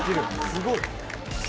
すごい！